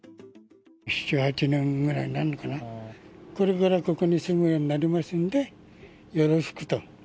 ７、８年ぐらいになるのかな、これからここに住むようになりますんで、よろしくと。